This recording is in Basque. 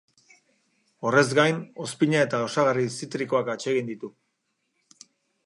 Horrez gain, ozpina eta osagarri zitrikoak atsegin ditu.